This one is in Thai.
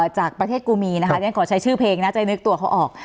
จากประเทศกูมีนะคะฉันขอใช้ชื่อเพลงนะจะนึกตัวเขาออก